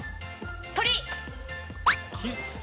鳥。